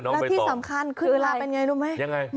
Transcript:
แล้วที่สำคัญคือเวลาเป็นอย่างไรรู้ไหม